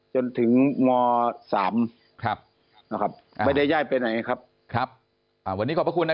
จนถึงม๓ครับไม่ได้ย่ายไปไหนครับครับวันนี้ขอบคุณนะ